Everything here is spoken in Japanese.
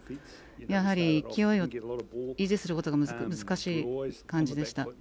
やはり勢いを維持することが難しい感じでした。